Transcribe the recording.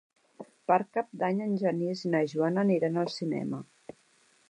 Per Cap d'Any en Genís i na Joana aniran al cinema.